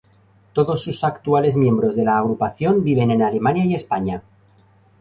Todos sus actuales miembros de la agrupación viven en Alemania y España.